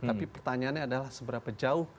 tapi pertanyaannya adalah seberapa jauh